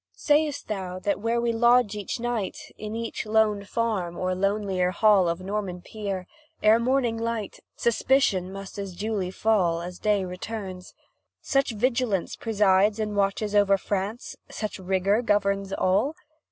Sayst thou, that where we lodge each night, In each lone farm, or lonelier hall Of Norman Peer ere morning light Suspicion must as duly fall, As day returns such vigilance Presides and watches over France, Such rigour governs all?